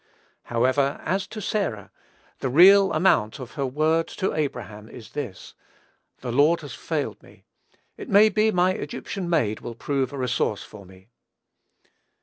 However, as to Sarah, the real amount of her word to Abraham is this, "The Lord has failed me; it may be, my Egyptian maid will prove a resource for me."